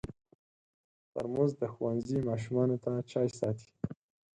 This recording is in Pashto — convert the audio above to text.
ترموز د ښوونځي ماشومانو ته چای ساتي.